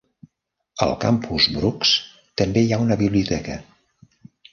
Al Campus Brooks també hi ha una biblioteca.